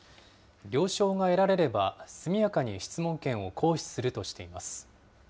了承が得られれば、速やかに質問権を行使するとしています。